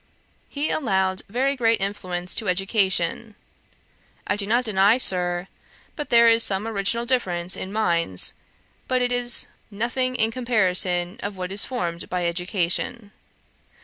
He allowed very great influence to education. 'I do not deny, Sir, but there is some original difference in minds; but it is nothing in comparison of what is formed by education.